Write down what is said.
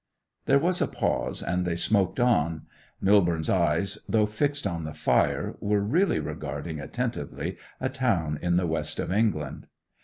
There was a pause, and they smoked on. Millborne's eyes, though fixed on the fire, were really regarding attentively a town in the West of England.